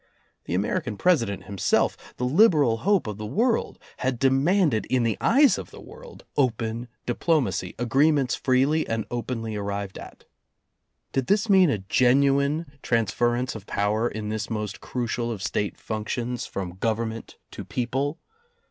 The American President himself, the liberal hope of the world, had demanded, in the eyes of the world, open diplomacy, agreements freely and openly arrived at. Did this mean a genuine transference of power in this most crucial of State functions from Government to people?